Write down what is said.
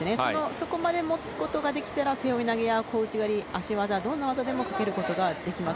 そこまで持つことができたら背負い投げや小内刈り、足技どんな技でもかけることができます。